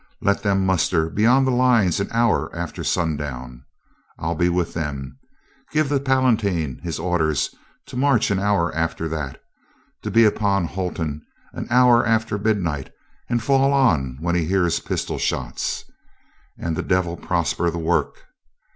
Let them muster beyond the lines an hour after sun down. I'll be with them. Give the Palatine his or ders to march an hour after that, to be upon Holton an hour after midnight and fall on when he hears pistol shots. And the devil prosper the work!